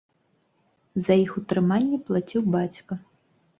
За іх утрыманне плаціў бацька.